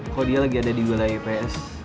kok dia lagi ada di wilayah ips